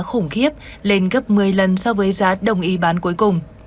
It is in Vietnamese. khủng khiếp lên gấp một mươi lần so với giá đồng ý bán cuối cùng